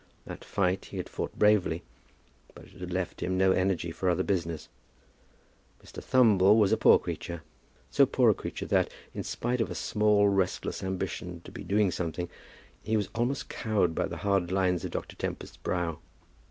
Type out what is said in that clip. That fight he had fought bravely; but it had left him no energy for any other business. Mr. Thumble was a poor creature, so poor a creature that, in spite of a small restless ambition to be doing something, he was almost cowed by the hard lines of Dr. Tempest's brow.